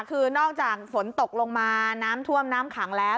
คือนอกจากฝนตกลงมาน้ำท่วมน้ำขังแล้ว